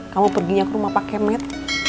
kamu perginya ke rumah pakai med